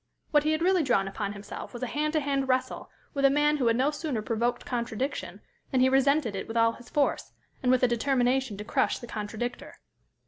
What he had really drawn upon himself was a hand to hand wrestle with a man who had no sooner provoked contradiction than he resented it with all his force, and with a determination to crush the contradictor.